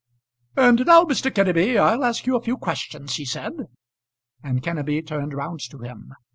"And now, Mr. Kenneby, I'll ask you a few questions," he said; and Kenneby turned round to him.